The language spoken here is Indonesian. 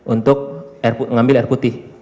untuk ngambil air putih